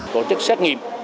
cổ chức xét nghiệm